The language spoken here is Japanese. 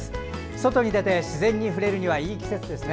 外に出て自然に触れるにはいい季節ですね。